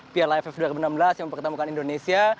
piala aff dua ribu enam belas yang mempertemukan indonesia